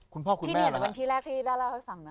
คุณพ่อคุณแม่เหรอค่ะที่นี่แรกที่ได้เล่าให้ฟังนะคะ